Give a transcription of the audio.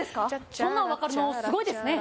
そんなの分かるのすごいですね